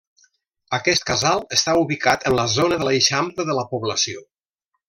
Aquest casal està ubicat en la zona de l'eixample de la població.